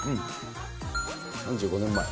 ３５年前。